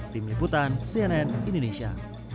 tim liputan cnn indonesia